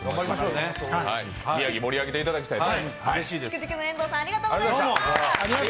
宮城、盛り上げていただきたいと思います。